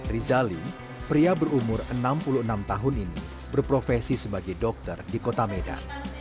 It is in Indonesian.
rizali pria berumur enam puluh enam tahun ini berprofesi sebagai dokter di kota medan